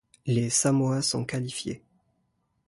Les Samoa sont qualifiées.